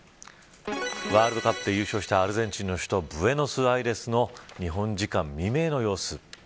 ワールドカップで優勝したアルゼンチンの首都ブエノスアイレスの日本時間未明の様子。